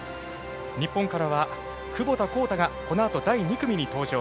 日本からは、窪田幸太がこのあと第２組に登場。